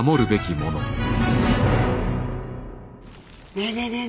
ねえねえねえね